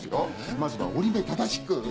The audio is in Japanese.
まずは折り目正しく。